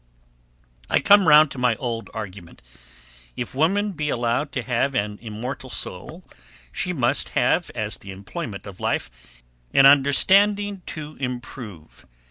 I come round to my old argument; if woman be allowed to have an immortal soul, she must have as the employment of life, an understanding to improve.